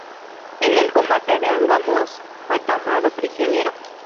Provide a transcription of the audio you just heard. En el combate de Angamos fue tomado prisionero.